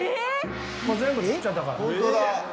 もう全部食っちゃったから。